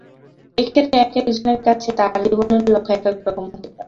এক্ষেত্রে একেক জনের কাছে তার জীবনের লক্ষ্য একেক রকম হতে পারে।